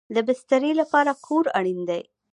د بسترې لپاره کور اړین دی